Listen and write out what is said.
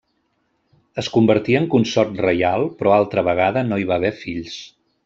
Es convertí en consort reial però altra vegada no hi va haver fills.